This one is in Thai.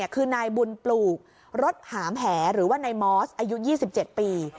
คือนายบุญปลูกรถหามแหหรือว่านายมอสอายุ๒๗ปี